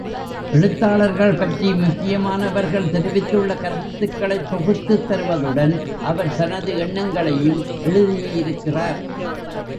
எழுத்தாளர்கள் பற்றி முக்கியமானவர்கள் தெரிவித்துள்ள கருத்துக்களைத் தொகுத்துத் தருவதுடன் அவர் தனது எண்ணங்களையும் எழுதியிருக்கிறார்.